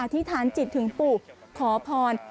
ที่ฐานจิตถึงปู่ขอพร